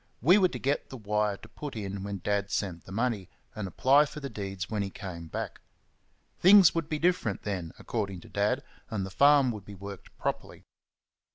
We were to get the wire to put in when Dad sent the money; and apply for the deeds when he came back. Things would be different then, according to Dad, and the farm would be worked properly.